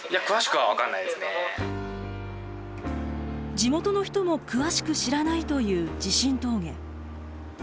地元の人も詳しく知らないという地震峠。